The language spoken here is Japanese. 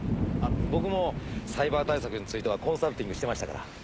あっ僕もサイバー対策についてはコンサルティングしてましたから。